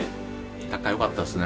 仲良かったっすね